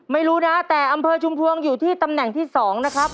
ไม่รู้นะแต่อำเภอชุมพวงอยู่ที่ตำแหน่งที่๒นะครับ